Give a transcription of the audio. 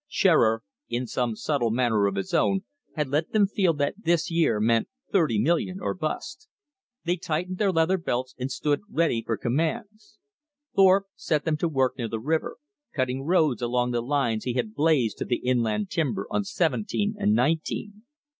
Shearer, in some subtle manner of his own, had let them feel that this year meant thirty million or "bust." They tightened their leather belts and stood ready for commands. Thorpe set them to work near the river, cutting roads along the lines he had blazed to the inland timber on seventeen and nineteen.